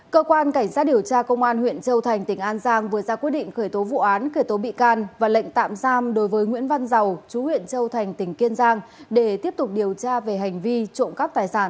cơ quan cảnh sát điều tra công an huyện châu thành tỉnh an giang vừa ra quyết định khởi tố vụ án khởi tố bị can và lệnh tạm giam đối với nguyễn văn giàu chú huyện châu thành tỉnh kiên giang để tiếp tục điều tra về hành vi trộm cắp tài sản